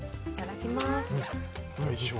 いただきます。